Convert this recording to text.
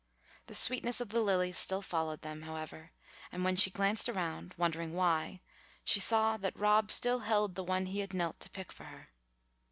The sweetness of the lilies still followed them, however, and when she glanced around, wondering why, she saw that Rob still held the one he had knelt to pick for her.